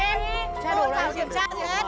không có kiểm tra gì hết